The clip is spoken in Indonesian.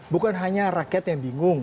bukan hanya rakyat yang bingung